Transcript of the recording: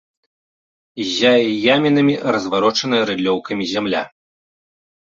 Ззяе ямінамі разварочаная рыдлёўкамі зямля.